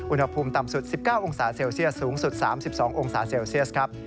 อุณหภูมิต่ำสุด๑๙องศาเซลเซียสสูงสุด๓๒องศาเซลเซียสครับ